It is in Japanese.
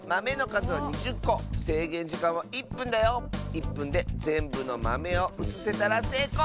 １ぷんでぜんぶのまめをうつせたらせいこう！